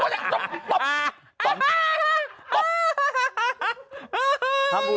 ตก